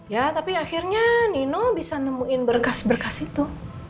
ya tapi akhirnya nino bisa nemuin berkas berkas itu